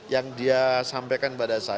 yang dia sampaikan pada saya